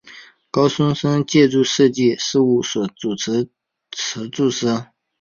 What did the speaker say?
高松伸建筑设计事务所主持建筑师。